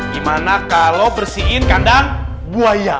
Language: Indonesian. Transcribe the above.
gimana kalau bersihin kandang buaya